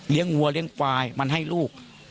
เลี้ยงวัวเลี้ยงปลายมันให้ลูก